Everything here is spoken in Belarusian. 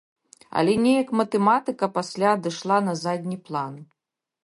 Але неяк матэматыка пасля адышла на задні план.